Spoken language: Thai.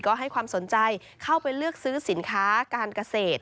ก็ให้ความสนใจเข้าไปเลือกซื้อสินค้าการเกษตร